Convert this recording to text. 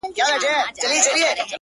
خدايه ته لوی يې-